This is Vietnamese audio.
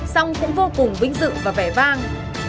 song cũng vô cùng vinh dự và vẻ vang